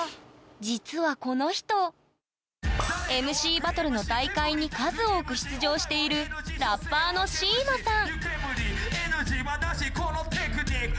実はこの人ＭＣバトルの大会に数多く出場しているラッパーのＣＩＭＡさん